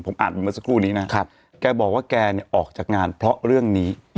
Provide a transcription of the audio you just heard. อ่านไปเมื่อสักครู่นี้นะครับแกบอกว่าแกเนี่ยออกจากงานเพราะเรื่องนี้